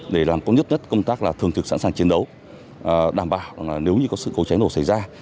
để làm có nhất công tác thường thực sẵn sàng chiến đấu đảm bảo nếu có sự cấu tránh đổ xảy ra